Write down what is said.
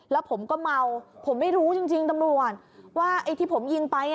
แล้วผมก็เมาผมไม่รู้จริงตำรวจว่าไอ้ที่ผมยิงไป